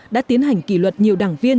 đã tiến hành kỷ luật nhiều đảng viên